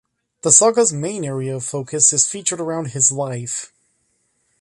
The Saga's main area of focus is featured around his life.